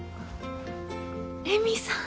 レミさん。